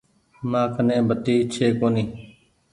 مآن ڪني بتي ڇي ڪونيٚ۔